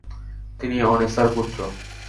তিনি অনেসার পুত্র।